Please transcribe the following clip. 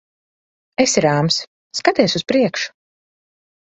Esi rāms. Skaties uz priekšu.